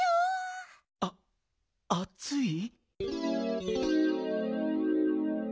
ああつい。